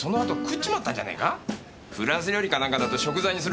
フランス料理か何かだと食材にするんだろ？